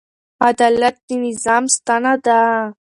عدالت د نظام ستنه ده.